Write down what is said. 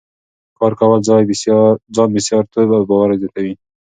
کار کول ځان بسیا توب او باور زیاتوي.